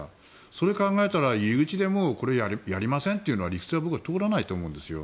それを考えたら入り口でやりませんというのは理屈が僕は通らないと思うんですよ。